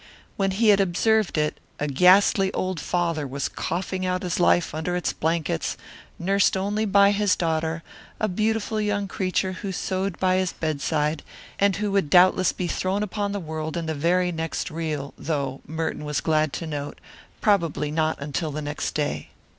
When he had observed it, a ghastly old father was coughing out his life under its blankets, nursed only by his daughter, a beautiful young creature who sewed by his bedside, and who would doubtless be thrown upon the world in the very next reel, though Merton was glad to note probably not until the next day.